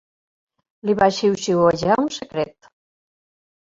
Li va xiuxiuejar un secret.